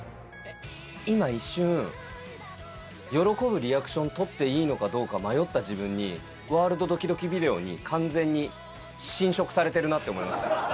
今、一瞬、喜ぶリアクション取っていいのかどうか、迷った自分にワールドドキドキビデオに完全に侵食されてるなって思いました。